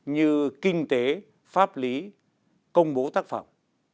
như kinh tế pháp lý công bố tác phẩm